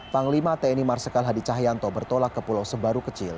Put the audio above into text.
panglima tni marsikal hadi cahyanto bertolak ke pulau sebaru kecil